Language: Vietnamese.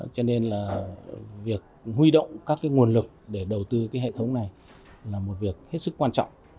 cho nên là việc huy động các nguồn lực để đầu tư cái hệ thống này là một việc hết sức quan trọng